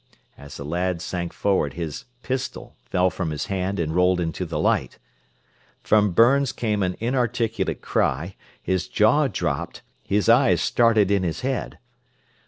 As the lad sank forward his "pistol" fell from his hand and rolled into the light. From Burns came an inarticulate cry, his jaw dropped, his eyes started in his head.